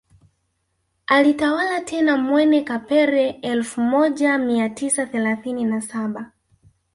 Alitawala tena Mwene Kapere elfu moja mia tisa thelathini na saba